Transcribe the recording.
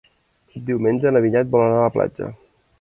Diumenge na Vinyet vol anar a la platja.